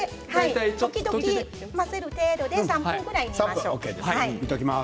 時々混ぜる程度で３分ぐらい煮ましょう。